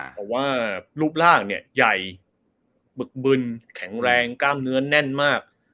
เพราะว่ารูปร่างเนี่ยใหญ่บึกบึนแข็งแรงกล้ามเนื้อแน่นมาก